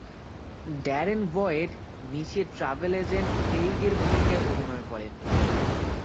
Darren Boyd নিচের travel agent ক্রেইগের ভূমিকায় অভিনয় করেন।